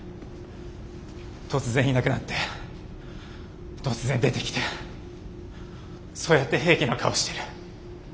突然いなくなって突然出てきてそうやって平気な顔してる。